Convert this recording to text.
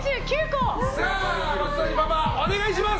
松谷パパ、お願いします！